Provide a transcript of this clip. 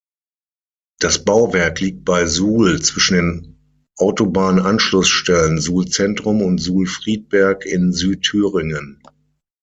Das Bauwerk liegt bei Suhl zwischen den Autobahnanschlussstellen Suhl-Zentrum und Suhl-Friedberg in Südthüringen.